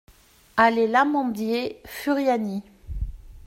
Allée l'Amandier, Furiani